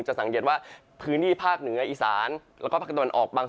จะสังเกตว่าพื้นที่ภาคเหนืออิสานและที่ภาคกระตุญภาคและออก